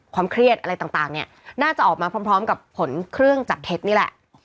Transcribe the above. เครียดอะไรต่างเนี่ยน่าจะออกมาพร้อมกับผลเครื่องจับเท็จนี่แหละ